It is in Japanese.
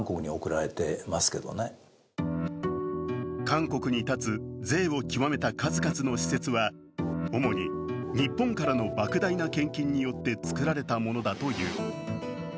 韓国に建つぜいを極めた数々の施設は主に日本からのばく大な献金によって造られたものだという。